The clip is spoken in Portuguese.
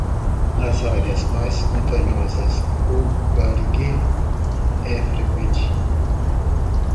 Nas áreas mais montanhosas, o garrigue é freqüente.